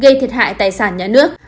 gây thiệt hại tài sản nhà nước